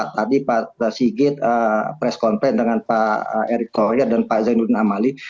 tadi pak sigit press conference dengan pak erick thohir dan pak zainuddin amali